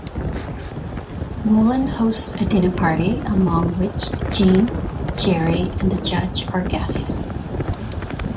Vollin hosts a dinner party, among which Jean, Jerry, and the Judge are guests.